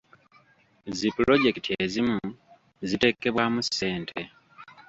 Zi pulojekiti ezimu ziteekebwamu ssente.